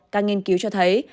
các nghiên cứu cho thấy